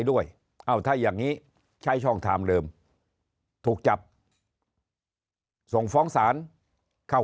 เอ้าถ้าอย่างนี้ใช้ช่องทางเดิมถูกจับส่งฟ้องศาลเข้า